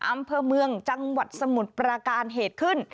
อำเภอเมืองจังหวัดสมุทรปราการเหตุขึ้น